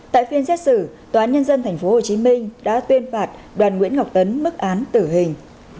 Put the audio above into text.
tại phiên xét xử tòa án nhân dân tp hcm đã tuyên phạt đoàn nguyễn ngọc tấn mức án tử hình